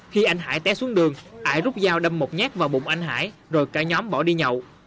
khi anh hải té xuống đường hải rút dao đâm một nhát vào bụng anh hải rồi cả nhóm bỏ đi nhậu